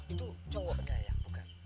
itu cowok gayanya bukan